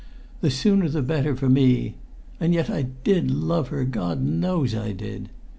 "The sooner the better, for me! And yet I did love her, God knows I did!"